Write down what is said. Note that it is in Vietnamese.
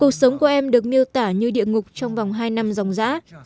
cuộc sống của em được miêu tả như địa ngục trong vòng hai năm dòng giã